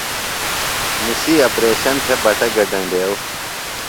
نِسی اپریشن تھےۡ بٹہ گڈینڈیو۔